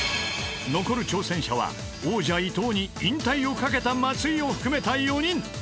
［残る挑戦者は王者伊藤に引退をかけた松井を含めた４人］